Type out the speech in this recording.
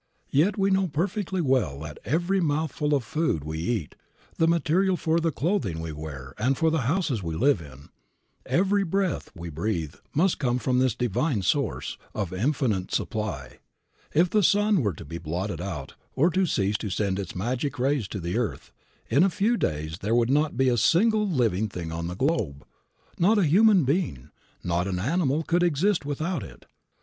Yet we know perfectly well that every mouthful of food we eat, the material for the clothing we wear and for the houses we live in, every breath we breathe must come from this Divine Source, of infinite supply. If the sun were to be blotted out, or to cease to send its magic rays to the earth, in a few days there would not be a single living thing on the globe. Not a human being, not an animal could exist without it.